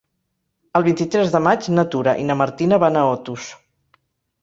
El vint-i-tres de maig na Tura i na Martina van a Otos.